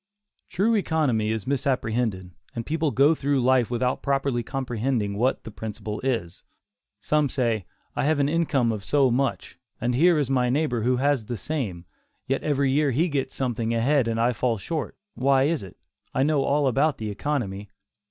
True economy is misapprehended, and people go through life without properly comprehending what that principle is. Some say, "I have an income of so much, and here is my neighbor who has the same; yet every year he gets something ahead and I fall short; why is it? I know all about economy."